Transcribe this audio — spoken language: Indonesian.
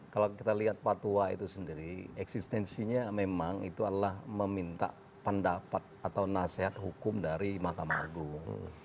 kalau kita lihat fatwa itu sendiri eksistensinya memang itu adalah meminta pendapat atau nasihat hukum dari mahkamah agung